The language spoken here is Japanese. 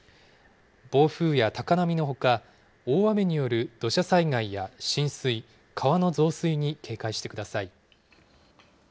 暴風や高波のほか、大雨による土砂災害や浸水、川の増水に警戒してください。